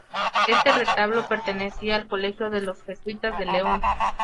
Este retablo pertenecía al colegio de los Jesuitas de León.